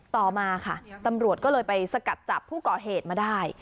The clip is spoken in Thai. ต่อมาค่ะตำรวจก็เลยไปสกัดจับผู้ก่อเหตุมาได้